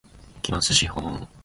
期末資本